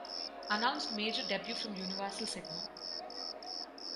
Announced major debut from Universal Sigma.